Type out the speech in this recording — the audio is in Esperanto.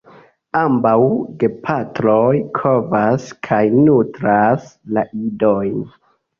Ambaŭ gepatroj kovas kaj nutras la idojn.